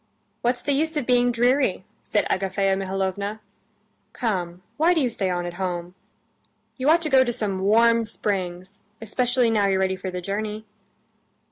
"What's the use of being dreary?" said Agafea Mihalovna. "Come, why do you stay on at home? You ought to go to some warm springs, especially now you're ready for the journey."